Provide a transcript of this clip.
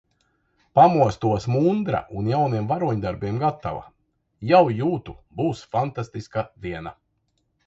Pamostos mundra un jauniem varoņdarbiem gatava! Jau jūtu būs fantastiska diena!